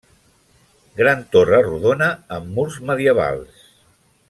Gran torre rodona amb murs medievals.